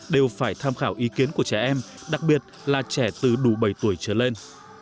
đều phải tham khảo ý kiến của trẻ em đặc biệt là trẻ từ đủ bảy tuổi trở lên